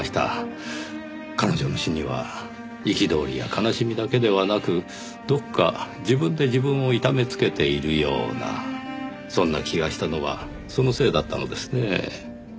彼女の詩には憤りや悲しみだけではなくどこか自分で自分を痛めつけているようなそんな気がしたのはそのせいだったのですねぇ。